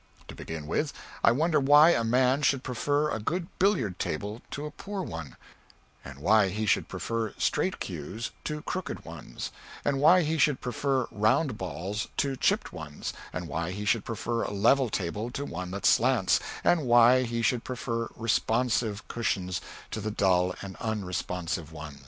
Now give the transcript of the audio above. To begin with, I wonder why a man should prefer a good billiard table to a poor one; and why he should prefer straight cues to crooked ones; and why he should prefer round balls to chipped ones; and why he should prefer a level table to one that slants; and why he should prefer responsive cushions to the dull and unresponsive kind.